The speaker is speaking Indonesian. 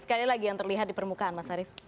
sekali lagi yang terlihat di permukaan mas arief